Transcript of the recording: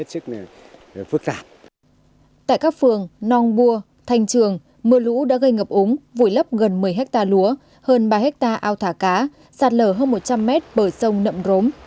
tại các phường nong bua thanh trường mưa lũ đã gây ngập úng vùi lấp gần một mươi hectare lúa hơn ba hectare ao thả cá sạt lở hơn một trăm linh mét bờ sông nậm rốm